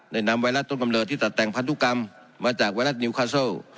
นำไวรัสต้นกำเนิดที่ตัดแต่งพันธุกรรมมาจากไวรัสนิวคาเซิล